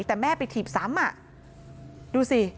แต่แม่ไปถีบซ้ำดูสิ